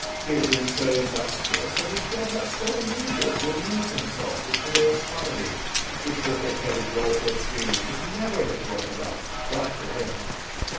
He had been so industrious that he felt at full leisure to amuse himself with to day's comedy, which the thick headed Dolfo Spini could never have brought about but for him.